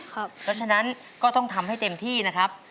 ครับแล้วฉะนั้นก็ต้องทำให้เต็มที่นะครับครับ